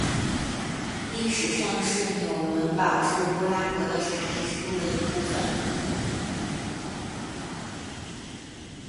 历史上是纽伦堡至布拉格的查理之路的一部份。